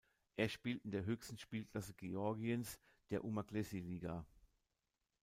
Er spielt in der höchsten Spielklasse Georgiens, der Umaghlessi Liga.